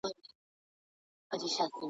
د دغه دین په لارښوونو عمل کول سعادت دی.